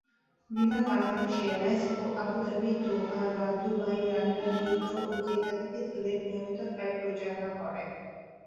বিমান Bangladesh Airlines Abu Dhabi, Doha, Dubai, লন্ডনের Heathrow ও জেদ্দা থেকে সিলেটে নিয়মিত ফ্লাইট পরিচালনা করে।